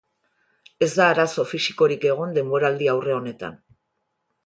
Ez da arazo fisikorik egon denboraldi-aurre honetan.